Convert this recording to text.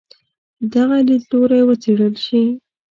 دغه لیدلوری وڅېړل شي.